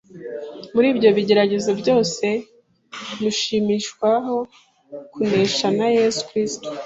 Muri ibyo bigeragezo byose ndushishwaho kunesha na Yesu Kristo.